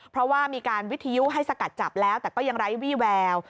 เพราะว่ามีการวิทยุให้สกัดจับแล้วแต่ก็ยังไร้วี่แวว